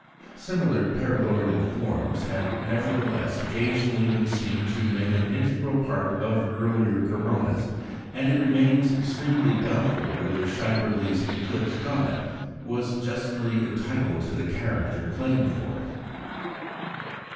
Similiar paraboloidal forms had, nevertheless, occasionally been seen to make an integral part of earlier coronas; and it remains extremely doubtful whether Schaeberle's "eclipse comet" was justly entitled to the character claimed for it.